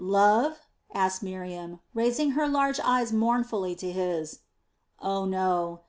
"Love?" asked Miriam, raising her large eyes mournfully to his. "Oh no.